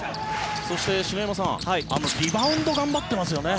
そして、篠山さんリバウンド頑張ってますよね。